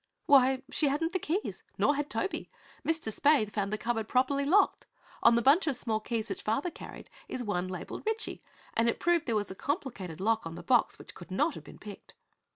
"Why, she hadn't the keys; nor had Toby. Mr. Spaythe found the cupboard properly locked. On the bunch of small keys which father carried is one labelled 'Ritchie,' and it proved there was a complicated lock on the box which could not have been picked."